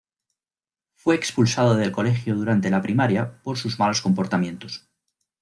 Fue expulsado del colegio durante la primaria por sus malos comportamientos.